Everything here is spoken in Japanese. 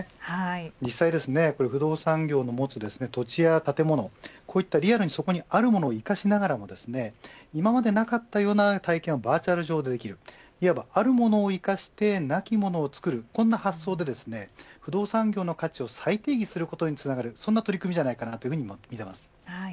実際、不動産業の持つ土地や建物こういったリアルがそこにあるものを生かしながら今までなかったような体験をバーチャル上でできるいわばあるものを生かしてなきものをつくるこんな発想で不動産業の価値を再定義することにつながる取り組みだと思います。